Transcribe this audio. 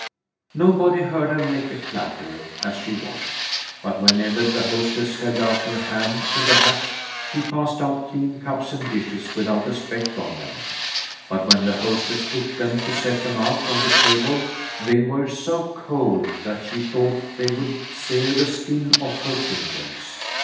Nobody heard her make a clatter as she washed, but whenever the hostess held out her hand to the hatch, she passed out clean cups and dishes without a speck on them. But when the hostess took them to set them out on the table, they were so cold that she thought they would sear the skin off her fingers.